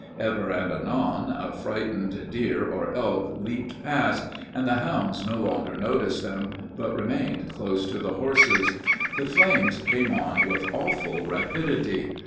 Ever and anon a frightened deer or elk leaped past, and the hounds no longer noticed them, but remained close to the horses. The flames came on with awful rapidity.